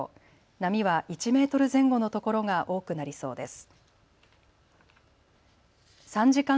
波は１メートル前後の所が多くなりそうです。